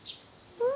うん？